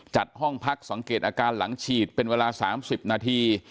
จัดห้องพักสังเกตอาการหลังฉีดเป็นเวลา๓๐นาที